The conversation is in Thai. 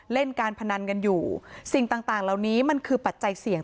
เล่นการพนันกันอยู่สิ่งต่างต่างเหล่านี้มันคือปัจจัยเสี่ยง